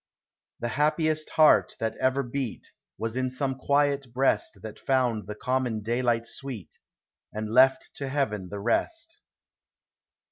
The happiest heart that ever beat Was in some quiet breast i That found the common daylight sweet. And left to Heaven the rest.